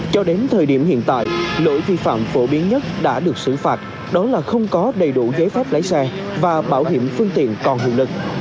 cho đến thời điểm hiện tại lỗi vi phạm phổ biến nhất đã được xử phạt đó là không có đầy đủ giấy phép lái xe và bảo hiểm phương tiện còn hiệu lực